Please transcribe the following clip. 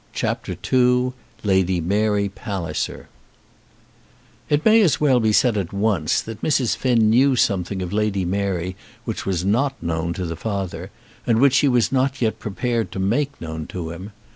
CHAPTER II Lady Mary Palliser It may as well be said at once that Mrs. Finn knew something of Lady Mary which was not known to the father, and which she was not yet prepared to make known to him.